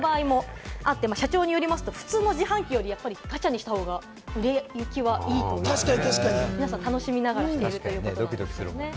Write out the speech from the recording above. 切り身の場合もあって、社長によりますと普通の自販機よりガチャにした方が売れ行きはいいと、皆さん楽しみながらしているということですね。